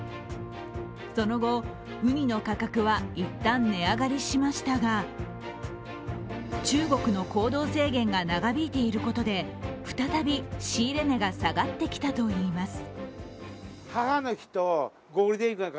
その後、ウニの価格は一旦値上がりしましたが、中国の行動制限が長引いていることで、再び仕入れ値が下がってきているといいます。